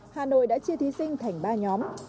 hà nội đã chia thí sinh thành ba nhóm